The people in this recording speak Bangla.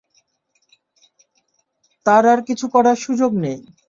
তার আর কিছু করার সুযোগ নেই!